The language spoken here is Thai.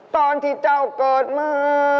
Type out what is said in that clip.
ตอนที่เจ้ากดมือ